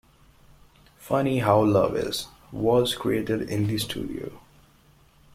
"Funny How Love Is" was created in the studio.